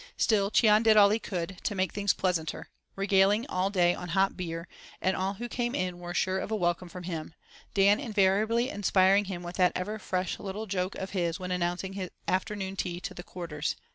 Still, Cheon did all he could to make things pleasanter, regaling all daily on hop beer, and all who came in were sure of a welcome from him—Dan invariably inspiring him with that ever fresh little joke of his when announcing afternoon tea to the quarters.